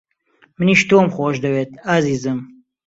منیش تۆم خۆش دەوێت، ئازیزم.